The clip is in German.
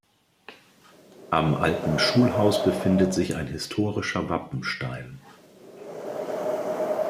Am Alten Schulhaus befindet sich ein historischer Wappenstein.